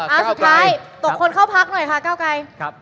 สุดท้ายตกคนเข้าพักหน่อยค่ะเก้าไกร